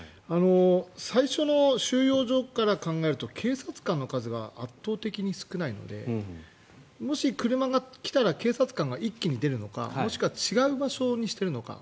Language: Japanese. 最初の収容所から考えると警察官の数が圧倒的に少ないのでもし車が来たら警察官が一気に出るのかもしくは違う場所にしているのか。